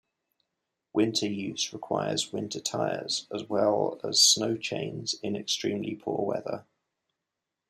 Winter use requires winter tires, as well as snow chains in extremely poor weather.